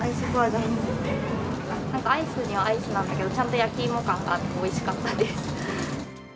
なんかアイスはアイスなんだけど、ちゃんと焼き芋感があって、おいしかったです。